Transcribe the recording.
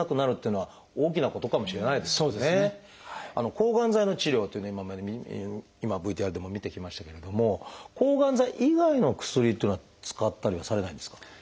抗がん剤の治療というのを今ＶＴＲでも見てきましたけれども抗がん剤以外の薬というのは使ったりはされないんですか？